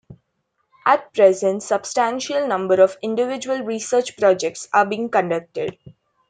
At present substantial number of individual research projects are being conducted.